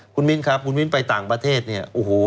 คุณมิ้นครับคุณมิ้นไปต่างประเทศเนี่ยโอ้โห